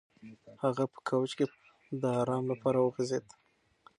هغه په کوچ کې د ارام لپاره وغځېد.